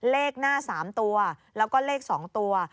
เลขหน้า๓ตัวแล้วก็เลข๒ตัว